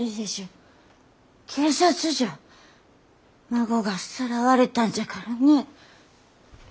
孫がさらわれたんじゃからねえ。